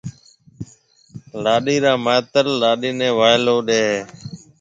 لاڏيَ را مائيتر لاڏيِ نَي وائلو ڏَي هيَ